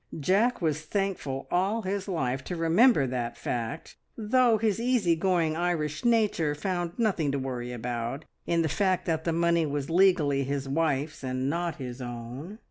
Jack was thankful all his life to remember that fact, though his easy going Irish nature found nothing to worry about in the fact that the money was legally his wife's, and not his own.